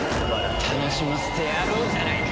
楽しませてやろうじゃないか！